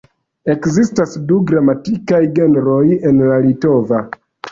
Ekzistas du gramatikaj genroj en la litova.